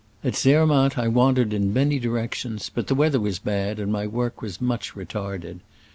At Zermatt I wandered in many di rections, but the weather was bad and my work was much retarded.